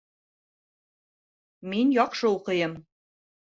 Мин яҡшы уҡыйым.